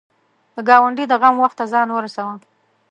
د ګاونډي د غم وخت ته ځان ورسوه